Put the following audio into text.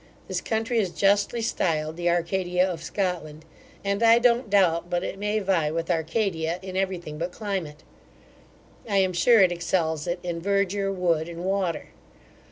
This country is justly stiled the Arcadia of Scotland; and I don't doubt but it may vie with Arcadia in every thing but climate. I am sure it excels it in verdure, wood, and water.